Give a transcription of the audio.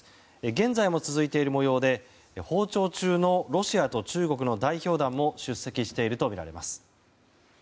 現在も続いている模様で訪朝中のロシアと中国の代表団も出席しているとみられます。